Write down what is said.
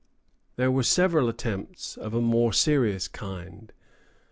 There were several attempts of a more serious kind.